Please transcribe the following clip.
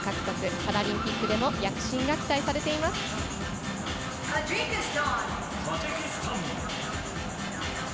パラリンピックでも躍進が期待されています。